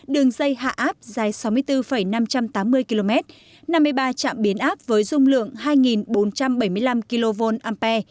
đường dây hạ áp dài sáu mươi bốn năm trăm tám mươi km năm mươi ba trạm biến áp với dung lượng hai bốn trăm bảy mươi năm kv ampe